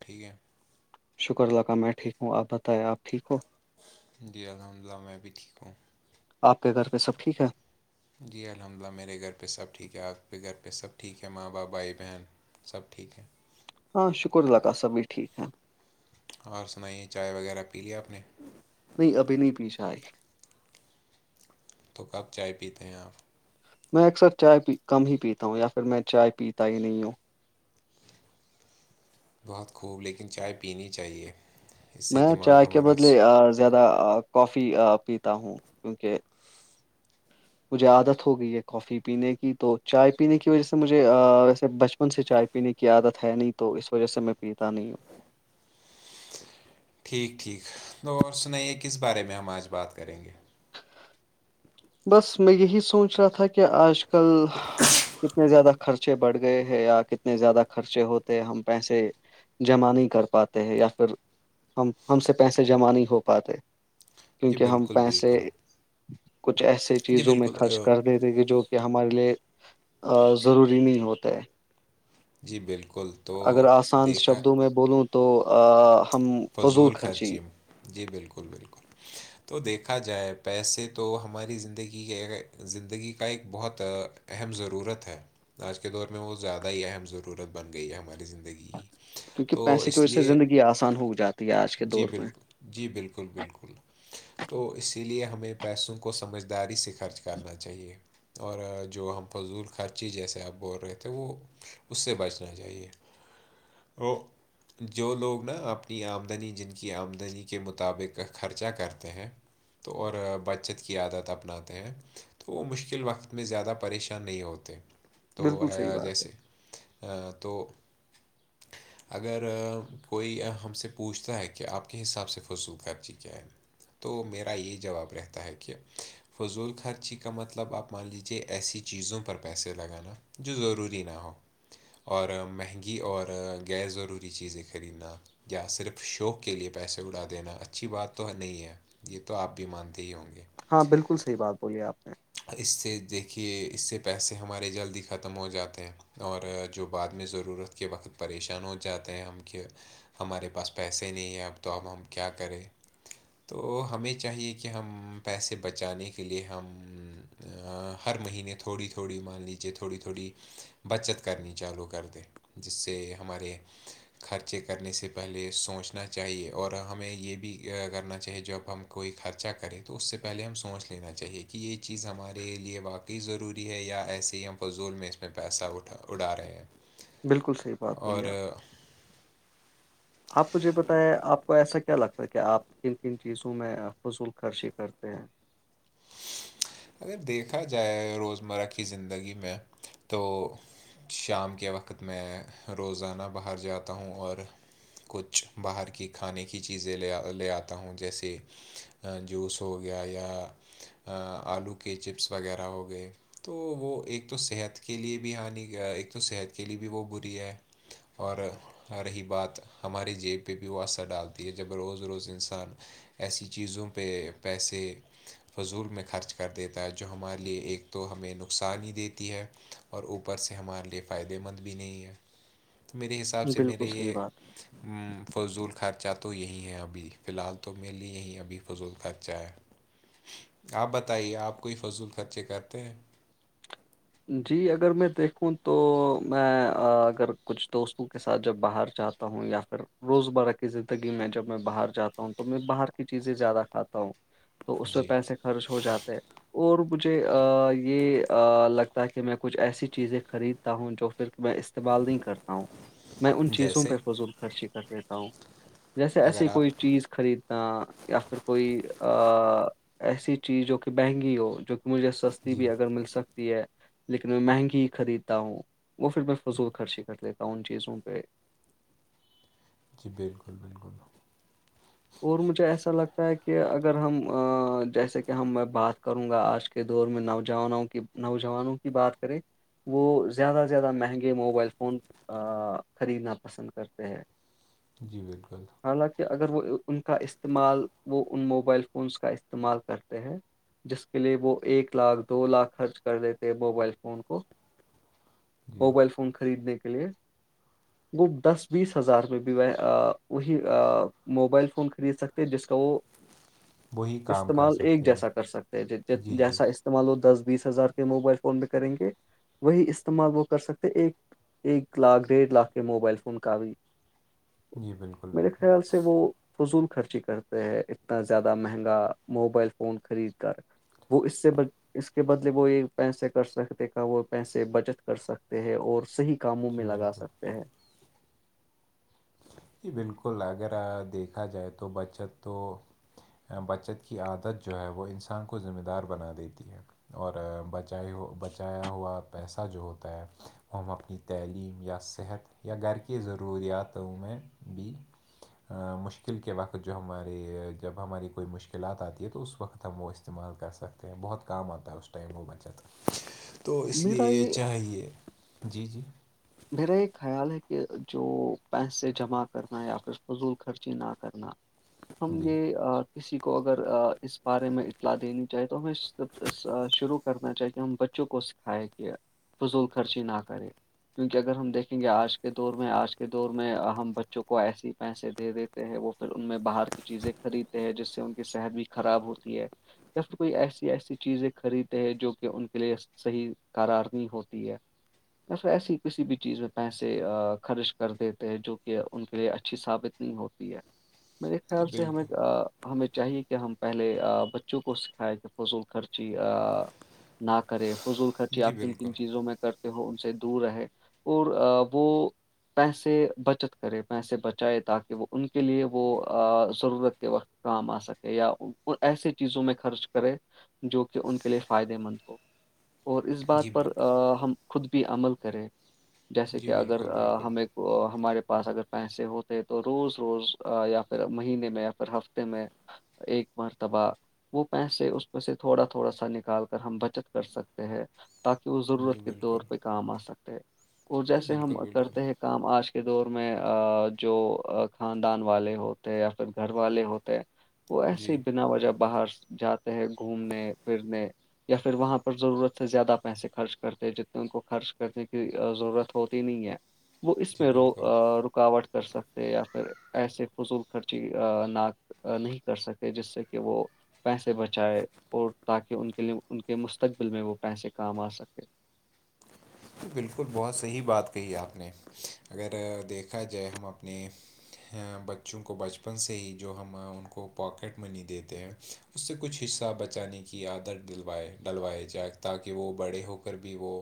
ٹھیک ہے شکر اللہ کا میں ٹھیک ہوں آپ بتائ آپ ٹھیک ہو جی الحمد للہ میں بھی ٹھیک ہوں آپ کے گھر پہ سب ٹھیک ہے جی الحمد للہ میرے گھر پہ سب ٹھیک ہے آپ کے گھر پہ سب ٹھیک ہے ماں باپ بھائی بہن سب ٹھیک ہے ہاں شکر اللہ کا بھی ٹھیک ہے اورار سنائیے چائے وغیرہ پی لیا اپ نے نہیں ابھی نہیں پی چائی تو کب چائے پیتے ہیں آپ میں اکثر چائےی کم ہی پیتا ہوں یا پھر میں چائے پیتا ہی نہیں ہوں بہت خوب لیکن چائے پینی چاہیے اس سے میں دماغ چائے کے ہمارا بدلے س- زیادہ کافی پیتا ہوں کیونکہ مجھے عادت ہو گئی ہے کافی پینے کی تو چائے پینے کی وجہ سے مجھے ویسے بچپن سے چائے پینے کی عادت ہے نہیں تو اس وجہ سے میں پیتا نہیں ہوں ٹھیک ٹھیک تو اور سنائیے کس بارے میں ہم آج بات کریں گے بس میں یہی سوچ رہا تھا کہ آج کل کتنے زیادہ خرچے بڑھ گئے ہیں یا کتنے زیادہ خرچے ہوتے ہیں ہم پیسے جمع نہیں کر پاتے ہیں یا پھر ہم ہم سے پیسے جمع نہیں ہو پاتے جی کیونکہ ہم بالکل پیسے بالکل کچھ ایسے جی چیزوں میں بالکل خرچ اہ، کر دیتے کہ جو کہ ہمارے لیے ضروری نہیں ہوتا ہے جی بالکل تو اگر آسان دیکھا شبدوں میں بولوں تو آ ہم فضول خرچی گے جی بالکل بالکل تو دیکھا جائے پیسے تو ہماری زندگی کے زندگی کا ایک بہت اہم ضرورت ہے آج کے دور میں وہ زیادہ ہی اہم ضرورت بن گئی ہے ہماری زندگی کی کیونکہ تو پیسے کی اس وجہ سے لیے زندگی آسان ہو جاتی ہے آج کے جی دور میں بالکل جی بالکل بالکل تو اسی لیے ہمیں پیسوں کو سمجھداری سے خرچ کرنا چاہیے اور جو ہم فضول خرچی جیسے آپ بول رہے تھے وہ اس سے بچنا چاہیے ا جو لوگ نا آپ کو اپنی آمدنی جن کی آمدنی کے مطابق خرچہ کرتے ہیں تو اور بچت کی عادت اپناتے ہیں تو وہ مشکل وقت میں زیادہ پریشان نہیں ہوتے تو بالکل صحیح بات ہے جیسے تو اگر کوئی ہم سے پوچھتا ہے کہ آپ کے حساب سے فضول خر جی کیا ہے نا تو میرا یہ جواب رہتا ہے کہ فضول خرچی کا مطلب آپ مان لیجیے ایسی چیزوں پر پیسے لگانا جو ضروری نہ ہو اور مہنگی اور غیرضروری چیزیں خریدنا یا صرف شوق کے لیے پیسے اڑا دینا اچھی بات تو نہیں ہے یہ تو آپ بھی مانتے ہی ہوں گے ہاں بالکل صحیح بات بولی آپ نے اس سے دیکھیے اس سے پیسے ہمارے جلد ہی ختم ہو جاتے ہیں اور جو بعد میں ضرورت کے وقت پریشان ہو جاتے ہیں ہم کے ہمارے پاس پیسے نہیں ہیں اب تو ہمب ہم کیا کریں تو ہمیں چاہیے کہ ہم پیسے بچانے کے لیے ہم ہر مہینے تھوڑی تھوڑی مان لیجیے تھوڑی تھوڑی بچت کرنی چالو کر دیں جس سے ہمارے خرچے کرنے سے پہلے سوچنا چاہیے اور ہمیں یہ بھی کرنا چاہیے جب ہم کوئی خرچہ کرے تو اس سے پہلے ہم سوچ لینا چاہیے کہ یہ چیز ہمارے لیے واقعی کی ضروری ہے یا ایسے ہی ہم فضول میں اس میں پیسہ اٹھا اڑا رہے ہیں بالکل صحیح بات اور بولی آپ آ، نے آپ توجھے بتیا آپ کو ایسا کیا لگتا ہے کہ آپ کن کن چیزوں میں فضول خرشی کرتے ہیں اگر دیکھا جائے روزمرہ کی زندگی میں تو شام کے وقت میں روزانہ باہر جاتا ہوں اور کچھ باہر کی کھانے کی چیزیں لے لے آتا ہوں جیسے جوس ہو گیا یا آلو کے چپس وغیرہ ہو گئے تو وہ ایک تو صحت کے لیئے بھی ہانی ایک تو صحت کے لیے بھی وہ بری ہے اور آ رہی بات ہماری جیب پہ بھی وہ اثر ڈالتی ہے جب روز روز انسان ایسی چیزوں پہ پیسے فضول میں خرچ کر دیتا ہے جو ہمارے لیے ایک تو ہمیں نقصان ہی دیتی ہے اور اوپر سے ہمارے لیے فائدے مند بھی نہیں ہے تو میرے حساب سے بالکل میرے صحیح یہ بات فضول خرچہ تو یہیں ہے ابھی فی الحال تو میرے لیے یہیں ابھی فضول خرچہ ہے آپ بتائیے آپ کوئی فضول خرچے کرتے ہیں جی اگر میں دیکھوں تو میں اگر کچھ دوستوں کے ساتھ جب باہر جات ہوں یا پھر روزمرہ کی زندگی میں جب میں باہر جاتا ہوں تو میں باہر کی چیزیں زیادہ کھاتا ہوں تو اس پہ جی پیسے خرچ ہو جاتے اور مجھے یہ لگ تہ میں کچھ ایسی چیزیں خریدتا ہوں جو پھر میں استعمال نہیں کرتا ہوں میں ان چیزوں جیسے پہ فضول خرچی کر لیتا ہوں جیسے اگر ایسی آپ کوئی چیز خرید یا پھر کوئی ایسی چیز جو کہ مہنگی ہو جو مجھے سستی جی بھی اگر مل سکتی ہے لیکن میں مہنگی ہی خریدتا ہوں وہ پھر میں فضول خرچی کر لیتا ہوں ان چیزوں پہ جی بالکل بالکل اور مجھے ایسا لگتا ہے کہ اگر ہم جیسے کہ ہم میں بات کروں گا آج کے دور میں نوجوانوں کی نوجوانوں کی بات کریں وہ زیادہ سے زیادہ مہنگے موبائل فون خریدنا پسند پسند کرتے ہیں جی بالکل حالانکہ اگر وہ ان کا استعمال وہ ان موبائل فونس کا استعمال کرتے ہیں جس کے لیے وہ ایک لاکھ دو لاکھ خرچ کر لیتے موبائل فون کو جی موبائل فون خریدنے کے لیے وہ دس بیس ہزار میں بھی وہی موبائل فون خرید سکتے جس کا وہ وہی کام کر استعمال ایک سکتے ہیں جیسا کر سکتے ہیں جی جی جیسا استعمال وہ دس بیس ہزار کے موبائل فون پ کریں گے وہی استعمال وہ کر سکتے ایک ایک لاکھ ڈیڑھ لاکھ کے موبائل فون کا بھی جی بالکل میرے بالکل خیال سے وہ فضول خرچی کرتے ہیں اتنا زیادہ مہنگا موبائل فون خرید کر وہ اس سے بل اس کے بدلے وہ ایک پیسے کر سکتے کا وہ پیسے بچت کر سکتے ہیں اور صحیح کاموں میں جی لگا بالکل سکتے ہیں ج بالکل اگر دیکھا جائے تو بچت تو بچت کی عادت جو ہے وہ انسان کو ذمہ دار بنا دیتی ہے اور بچت چ ہو بچایا ہوا پیسہ جو ہوتا ہے ہم اپنی تعلیم یا صحت یا گھر کی ضروریاتوں میں بھی مشکل کے وقت جو ہماری جب ہماری کوئی مشکلات آتی ہے تو اس وقت ہم وہ اس استعمال کر سکتے ہیں بہت کام آتا ہے اس ٹائم وہ بچت تو اس میرا لیے یہ چاہیے جی جی میرا یہ خیال ہے کہ جو پیسے جمع کرنا یا پھر فضول خرچی نہ کرنا ہم جی نے کسی کو اگر اس بارے میں اطلاع دینی چاہے تو ہمیں شروع کرنا چاہے ان بچوں کو کھائے کہ فضول خرچی نہ کرے کیونکہ اگر ہم دیکھیں گے آج کے دور میں آج کے دور میں ہم بچوں کو ایسے پیسے دے دیتے وہ پھر ان میں باہر کی چیزیں خریدتے ہیں جس سے ان کی صحت بھی خراب ہوتی ہے یا کوئی ایسی ایسی چیزیں خریدتے ہیں جو کہ ان کے لیے صحیح قارار نہیں ہوتی ہے نہ ایسی کسی بھی چیز میں پیسے خرچ کر دیتے ہیں جو کہ ان کے لیے اچھی ثابت نہیں ہوتی ہے میرے جی خیال سے ہمیں بالکل ہمیں چاہیے کہ ہم پہلے بچوں کو سکھائے کہ فضول خرچی نہ کرے فضول خرچی جی آپ کن بالکل کن چیزوں میں کرتے ہو ان سے دور رہے اور وہ پیسے بچت کرے پیسے بچائے تاکہ وہ ان کے لیے وہ ضرورت کے وقت کام آ سکے یا ایسے چیزوں میں خرچ کرے جو کہ ان کے لیے فائدہ مند ہو اور اس جی بات پر ہم خود بھی عمل کریں جیسے کہ جی اگر بالکل بالکل ہمیں ہمارے پاس اگر پیسے ہوتے تو روز روز یا پھر مہینے میں یا پھر ہفتے میں ایک مرتباہ وہ پیسے اس میں سے تھوڑا تھوڑا سا نکال کر ہم بچت کر سکتے ہیں تاکہ وہ جی ضرورت کے طور بالکل پہ کام آ سکتے اور جی جیسے ہم بالکل بالکل کرتے ہیں کام آج کے دور میں جو خاندان والے ہوتے یا پھر گھر والے ہوتے وہ ایسے جی ہی بنا وجہ باہر جاتے ہیں گھومنے پھرنے یا پھر وہاں پر ضرورت سے زیادہ پیسے خرچ کرتے ہیں جتنے ان کو خرچ کرنے ضرورت ہوتی نہیں ہے وہ اس جی میں رو بالکل رکاوٹ کر سکتے یا پھر ایسے فضول خرچی نہ نہیں کر سکے جس سے کہ وہ پیسے بچائے اور تاکہ ان کے لیے ان کے مستقبل میں وہ پیسے کام آ سکے بالکل بہت صحیح بات کہی آپ نے اگر دیکھا جائے ہم اپنے بچوں کو بچپن سے ہی جو ہم ان کو پاکٹ منی دیتے ہیں اس سے کچھ حصہ بچانے کی عادت ڈلوائے ڈلوائے جائے تاکہ وہ بڑے ہو کر بھی وہ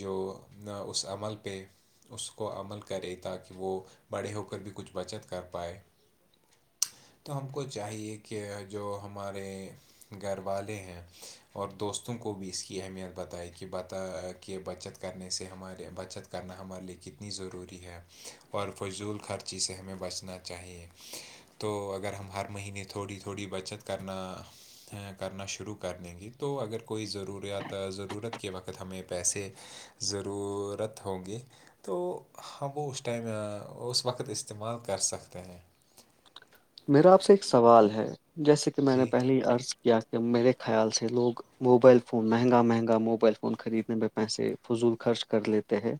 جو نہ اس عمل پہ اس کو عمل کرے تاکہ وہ بڑے ہو کر بھی کچھ بچت کر پائے تو ہم کو چاہیے کہ جو ہمارے گھر والے ہیں اور دوستوں کو بھی اس کی اہمیت بتائی کہ بتا کہ بچت کرنے سے ہمارے بچت کرنا ہمارے لیے کتنی ضروری ہے اور فضول خرچی سے ہمیں بچنا چاہیے تو اگر ہم ہر مہینے تھوڑی تھوڑی بچت کرنا کرنا شروع کر دیں گے تو اگر کوئی ضروریات ضرورت کے وقت ہمیں پیسے ضرورت ہوں گی تو ہم وہ اس ٹائم اس وقت استعمال کر سکتے ہیں میرا آپ سے ایک سوال ہے جیسے کہ میں نے جی پہلی عرض کہ میرے خیال سے لوگ موبائل فون مہنگا مہنگا موبائل خریدنے میں پیسے فضول خرچ کر لیتے ہیں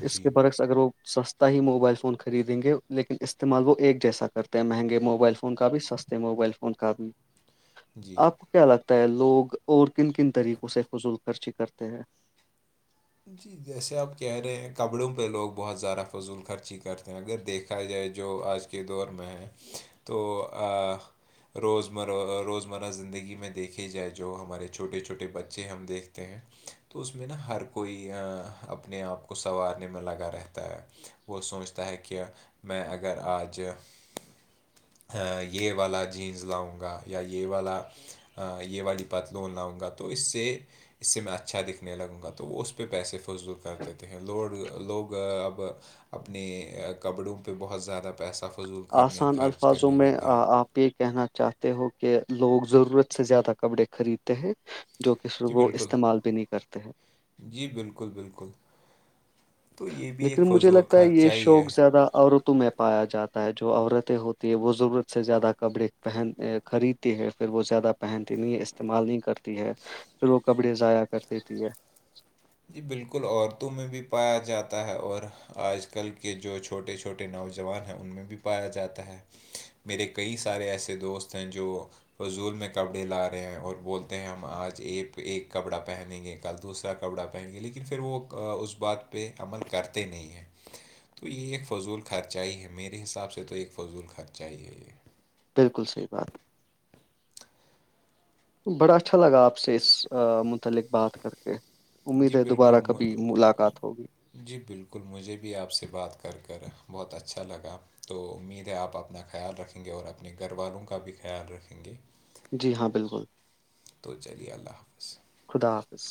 اسکے جی بر اگر وہ سستا ہی موبائل فون خریدیں گے لیکن استعمال وہ ایک جیسا کرتے ہیں مہنگے موبائل فون کا بھی سستے موبائل فون کا بھی جی آپ کیا لگتا ہے لوگ اور کن کن طریقوں سے فضول خرچی کرتے ہیں جی جیسے آپ کہہ رہے ہیں کپڑوں پہ لوگ بہت زیادہ فضول خرچی کرتے ہیں اگر دیکھ دکھیا جائے جو آج کے دور میں ہے تو روزمرہ روزمرہ زندگی میں دیکھھی جائے جو ہمارے چھوٹے چھوٹے بچے ہم دیکھتے ہیں تو اس میں نا ہر کوئی ا اپنے آپ کو سنوارنے میں لگا رہتا ہے وہ سوچتا ہے کہ میں اگر آج یہ والا جینس لاؤں گا یا یہ والا یہ والی پات لون لاؤں گا تو اس سے اس سے میں اچھا دکھنے لگوں گا تو تو وہ اس پہ پیسے فضول کر دیتے ہیں لوڈ لوگ اب اپنے کپڑوں پہ بہت زیادہ پیسہ فضول کرنے آسان خرچ الفاظوں کرنے لگ میں گے ہیں آپ یہ کہنا چاہتے ہو کہ لوگ ضرورت سے زیادہ کپڑے خریدتے ہیں جو کہ پر جی وہ بالکل استعمال بھی نہیں کرتے ہیں جی بالکل بالکل تو یہ بھی ایک لیکن مجھے فضول لگتا ہے یہ خرچہ ہی شوق ہے زیادہ عورتوں میں پایا جاتا ہے جو عورتیں ہوتی ہے وہ ضرورت سے زیادہ کپڑے پہن خریدتی ہیں پھر وہ زیادہ پہنتی نہیں استعمال نہیں کرتی ہے پھر وہ کپڑے ضائع کر دیتی ہے جی بالکل عورتوں میں بھی پایا جاتا ہے اور آج کل کے جو چھوٹے چھوٹے نوجوان ہیں ان میں بھی پایا جاتا ہے میرے کئی سارے ایسے دوست ہیں جو فضول میں کپڑے لا رہے ہیں اور بولتے ہیں ہم آج ایک ایک کپڑا پہنیں گے کل دوسرا کپڑا پائیں گے لیکن پھر وہ اس بات پہ عمل کرتے نہیں ہیں تو یہ ایک فضول خرچہ ہی ہے میرے حساب سے تو ایک فضول خرچہ ہی ہے یہ بالکل صحیح بات بڑا اچھا لگا آپ سے اس متعلق بات کر کے امید جی ہے دوبارہ بالکل کبھی ملاقات ہوگی جی بالکل مجھے بھی آپ سے بات کر کر بہت اچھا لگا تو امید ہے آپ اپنا خیال رکھیں یں گے اور اپنے گھر والوں کا بھی خیال رکھیں گے جی ہاں بالکل تو چلیے اللہ حافظ خدا حافظ